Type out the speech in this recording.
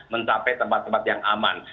mencapai tempat tempat yang aman